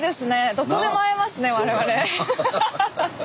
どこでも会えますね我々。